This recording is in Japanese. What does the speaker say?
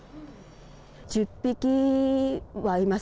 １０匹はいます。